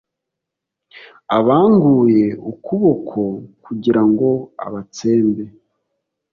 abanguye ukuboko kugira ngo abatsembe.